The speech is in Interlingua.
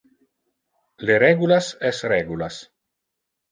Le regulas es regulas.